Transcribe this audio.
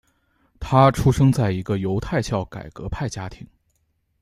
他出生在一个犹太教改革派家庭。